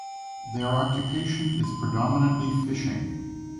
Their occupation is predominantly fishing.